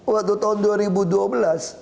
waktu tahun dua ribu dua belas